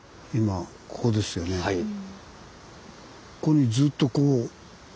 今ここですよね。